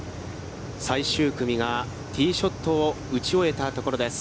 最終組がティーショットを打ち終えたところです。